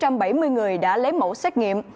một bảy trăm bảy mươi người đã lấy mẫu xét nghiệm